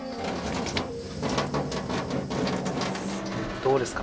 どうですか？